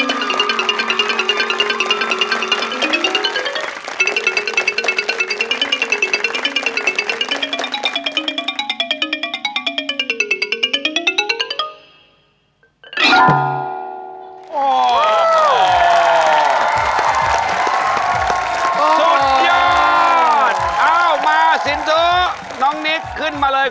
เอ้ามาสินทุน้องนิคขึ้นมาเลย